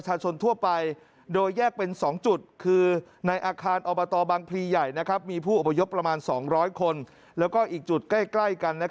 ไม่ว่าต้องเป็นที่ไหนของประเทศไทย